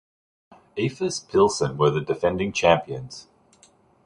Efes Pilsen were the defending champions.